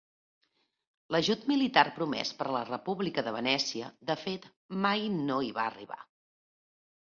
L'ajut militar promès per la República de Venècia de fet mai no hi va arribar.